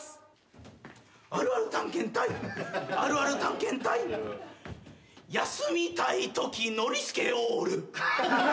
「あるある探検隊あるある探検隊」「休みたいときノリスケおる」